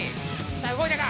さあうごいたか？